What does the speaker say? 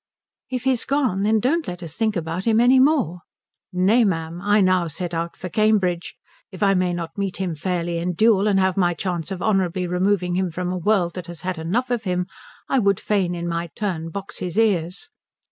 "If he's gone, then don't let us think about him any more." "Nay, ma'am, I now set out for Cambridge. If I may not meet him fairly in duel and have my chance of honourably removing him from a world that has had enough of him, I would fain in my turn box his ears."